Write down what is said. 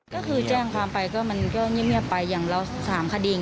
ก็คือแจ้งความไปก็มันก็เงียบไปอย่างเรา๓คดี